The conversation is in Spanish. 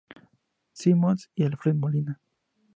Simmons y Alfred Molina.